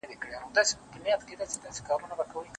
پلی درومي او په مخ کي یې ګوډ خر دی